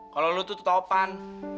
kalo lu tuh tau pan